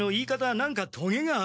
何かトゲがあるぞ。